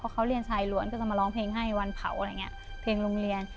เขาเรียนชายหลวนก็จะมาร้องเพลงให้วันเผาเพลงโรงเรียน